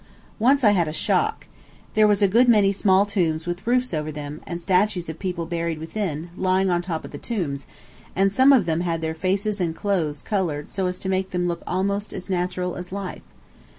Once I had a shock. There was a good many small tombs with roofs over them, and statues of people buried within, lying on top of the tombs, and some of them had their faces and clothes colored so as to make them look almost as natural as life.